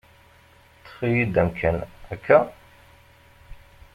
Ṭṭef-iyi-d amkan, akka?